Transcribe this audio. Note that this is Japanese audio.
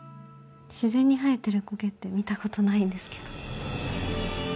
自然に生えてる苔って見たことないんですけど。